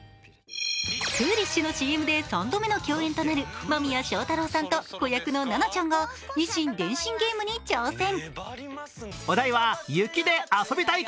クーリッシュのＣＭで３度目の共演となる間宮祥太朗さんと、子役のななちゃんが、以心伝心ゲームに挑戦。